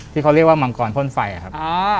ที่เขาเรียกว่ามังกรพ่นไฟครับ